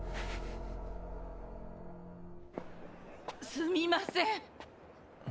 ・すみません。